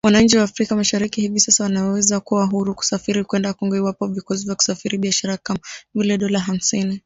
Wananchi wa Afrika Mashariki hivi sasa wanaweza kuwa huru kusafiri kwenda Kongo iwapo vikwazo vya kusafiri na biashara kama vile dola hamsini